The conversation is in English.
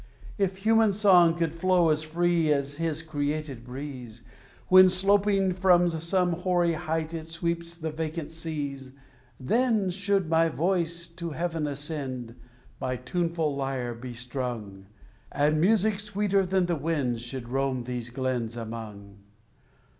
If human song could flow as free as His created breeze, When, sloping from some hoary height, it sweeps the vacant seas, Then should my voice to heaven ascend, my tuneful lyre be strung, And music sweeter than the winds should roam these glens among.